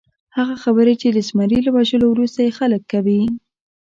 هغه خبرې چې د زمري له وژلو وروسته یې خلک کوي.